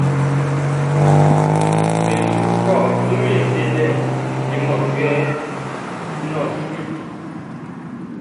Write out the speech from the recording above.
Be su kɔ wunmiɛn lolɛ le mɔcuɛ nɲɔn sin.